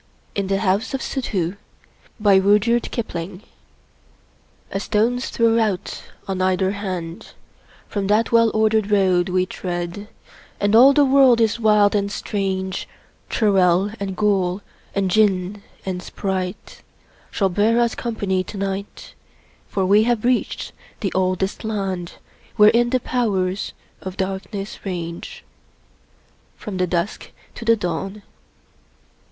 In the House of Suddhoo A stone's throw out on either hand From that well ordered road we tread, And all the world is wild and strange ; Churel and ghoul and Djinn and sprite Shall bear us company to night, For we have reached the Oldest Land Wherein the Powers of Darkness range. — From the Dusk to the Dawn.